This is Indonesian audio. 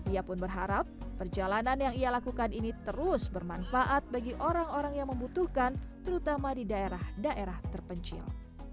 ia pun berharap perjalanan yang ia lakukan ini terus bermanfaat bagi orang orang yang membutuhkan terutama di daerah daerah terpencil